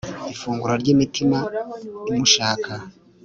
ifunguro ry'imitima imushaka